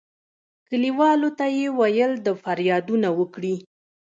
کلیوالو ته یې ویل د فریادونه وکړي.